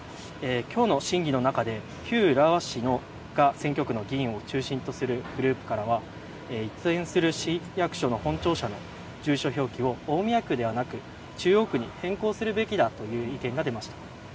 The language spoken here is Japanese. きょうの審議の中で旧浦和市が選挙区の議員を中心とするグループからは移転する市役所の本庁舎の住所表記を大宮区ではなく中央区に変更すべきだという意見が出ました。